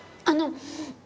あの。